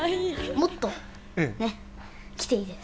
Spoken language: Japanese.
もっとね、来ていいです。